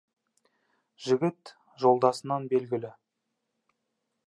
Жігіт жолдасынан белгілі.